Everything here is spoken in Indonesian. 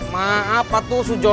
maaf patuh sujono